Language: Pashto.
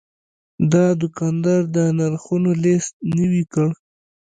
دا دوکاندار د نرخونو لیست نوي کړ.